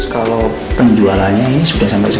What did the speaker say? kalau penjualannya ini sudah sampai sekarang